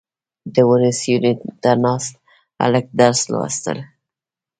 • د ونې سیوري ته ناست هلک درس لوسته.